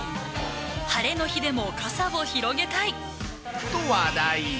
晴れの日でも傘を広げたい！と話題。